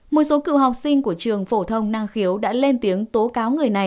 một số cựu học sinh của trường phổ thông năng khiếu đã lên tiếng tố cáo người này